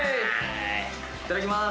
いただきます。